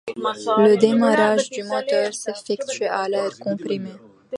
Le démarrage du moteur s'effectue à l'air comprimé.